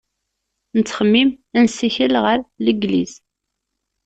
Nettxemmim ad nessikel ɣer Legliz.